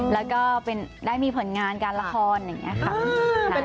แล้วก็ได้มีผลงานการละครอย่างนี้ค่ะ